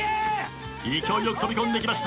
勢いよく飛び込んできました。